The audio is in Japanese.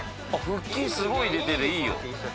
腹筋すごい出てていいよ。